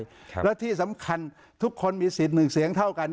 แล้วที่สำคัญทุกคนมีสิทธิ์หนึ่งเสียงเท่ากัน